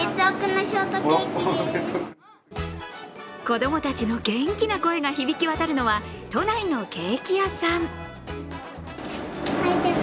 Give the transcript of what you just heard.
子供たちの元気な声が響き渡るのは都内のケーキ屋さん。